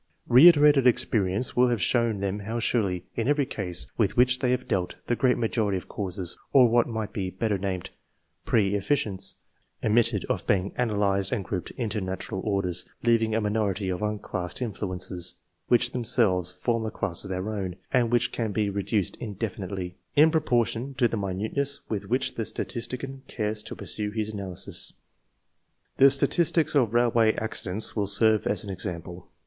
Eeiterated CH. III.] ORIGIN OF TASTE FOR SCIENCE. 145 experience will have shown them how surely, in every case with which they have dealt, the great majority of causes, or what might be better named " pre efficients," admitted of being ana lysed and grouped into natural orders, leaving a minority of unclassed influences, which them selves form a class of their own, and which can be reduced indefinitely, in proportion to the minuteness with which the statistician cares to pursue his analysis. The statistics of railway accidents will serve as an example.